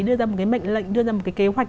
đưa ra một cái mệnh lệnh đưa ra một cái kế hoạch